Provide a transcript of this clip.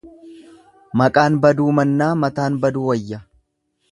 Maqaan baduu mannaa mataan baduu wayya.